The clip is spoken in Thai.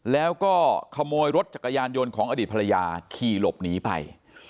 แล้วก็ขโมยรถจักรยานยนต์ของอดีตภรรยาขี่หลบหนีไป